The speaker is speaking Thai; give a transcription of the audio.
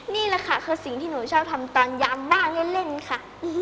นี่แหละค่ะคือสิ่งที่หนูชอบทำตอนยำว่างเล่นค่ะ